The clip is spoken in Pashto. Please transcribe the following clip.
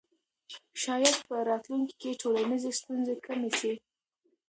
شاید په راتلونکي کې ټولنیزې ستونزې کمې سي.